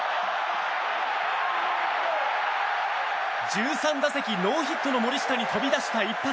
１３打席ノーヒットの森下に飛び出した一発。